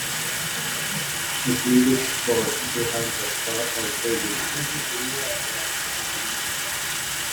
A Jewish boy behind the Star of David